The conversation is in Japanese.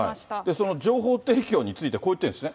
その情報提供について、こう言ってるんですね。